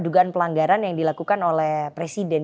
dugaan pelanggaran yang dilakukan oleh presiden